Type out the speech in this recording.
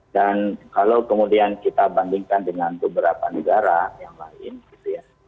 dan kalau kemudian kita bandingkan dengan beberapa negara yang lain gitu ya